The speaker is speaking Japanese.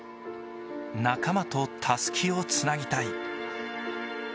仲間とたすきをつなぎたい。